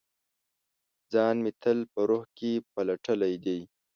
ځان مې تل په روح کې پلټلي دی